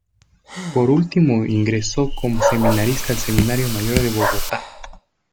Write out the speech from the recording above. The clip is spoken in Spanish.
Por último ingresó como seminarista al Seminario Mayor de Bogotá.